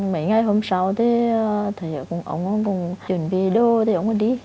mấy ngày hôm sau thì ông cũng chuẩn bị đồ thì ông cũng đi